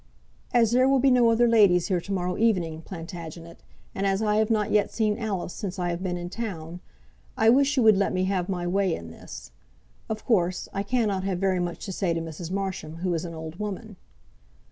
"As there will be no other ladies here to morrow evening, Plantagenet, and as I have not yet seen Alice since I have been in town, I wish you would let me have my way in this. Of course I cannot have very much to say to Mrs. Marsham, who is an old woman."